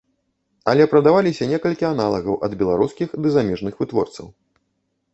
Але прадаваліся некалькі аналагаў ад беларускіх ды замежных вытворцаў.